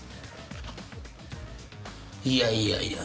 いやいやいや。